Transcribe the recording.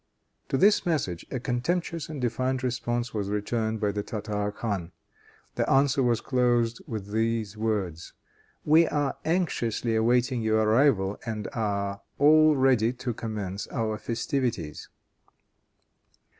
To this message a contemptuous and defiant response was returned by the Tartar khan. The answer was closed with these words: "We are anxiously awaiting your arrival, and are all ready to commence our festivities."